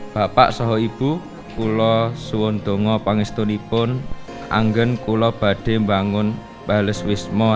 bapak soho ibu kulo suwun dongo pangestu nipun anggen kulo badem bangun baleswismo